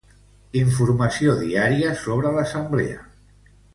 Informació diària sobre l'Assemblea.